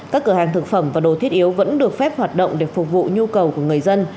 các cửa hàng thực phẩm và đồ thiết yếu vẫn được phép hoạt động để phục vụ nhu cầu của người dân